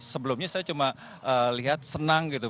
sebelumnya saya cuma lihat senang gitu